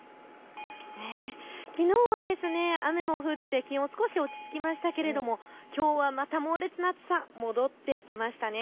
きのうは雨も降って気温、少し落ち着きましたがきょうはまた猛烈な暑さ戻ってきましたね。